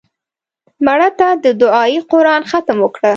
مړه ته د دعایي قرآن ختم وکړه